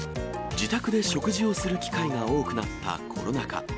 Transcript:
自宅で食事をする機会が多くなったコロナ禍。